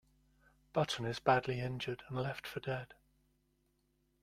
Button is badly injured and left for dead.